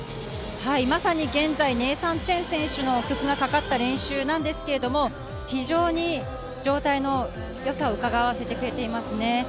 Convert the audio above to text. まさに現在、ネイサン・チェン選手の曲のかかった練習なんですけれども非常に状態のよさをうかがわせてくれています。